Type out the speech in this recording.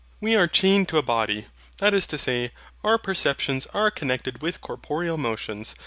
We are chained to a body: that is to say, our perceptions are connected with corporeal motions.